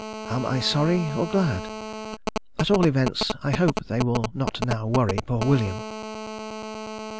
Am I sorry or glad? At all events, I hope they will not now worry poor William....